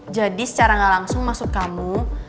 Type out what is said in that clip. jadi secara gak langsung masuk kamu